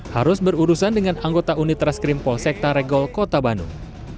harus berurusan dengan anggota unit reskrim polsektaregol kota bandung